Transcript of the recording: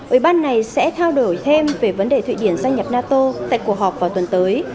ủy ban này sẽ thao đổi thêm về vấn đề thụy điển gia nhập nato tại cuộc họp vào tuần tới